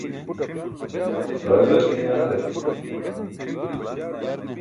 Ġarbel ke yanḍar